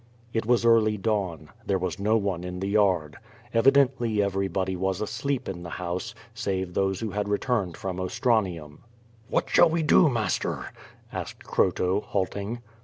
It was early dawn. There was no one in the yard. Evi dently ever}body was asleep in the house, save those who had returned from Ostranium. "What shall we do, master?" asked Croto, halting.